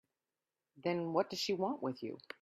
Then what does she want with you?